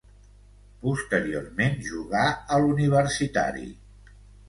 Posteriorment jugà a l'Universitari.